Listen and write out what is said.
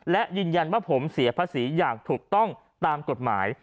และยืนยันว่าผมเสียภาษีอย่างถูกต้องตามกฎหมาย